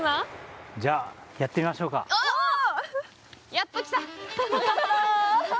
やっときた！